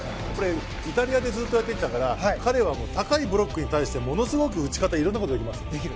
イタリアでずっとやってたから彼は高いブロックに対してものすごく打ち方いろんなことができます。